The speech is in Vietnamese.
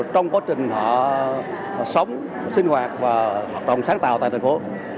trong quá trình họ sống sinh hoạt và hoạt động sáng tạo tại thành phố